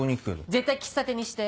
絶対喫茶店にして。